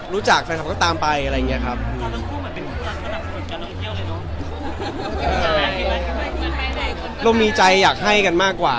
เรามีใจอยากให้กันมากกว่า